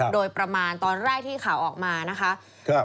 โดยประมาณตอนแรกที่ข่าวออกมานะคะ